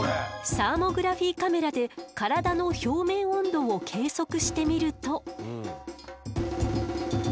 サーモグラフィーカメラで体の表面温度を計測してみると。